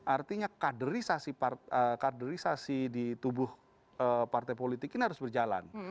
artinya kaderisasi di tubuh partai politik ini harus berjalan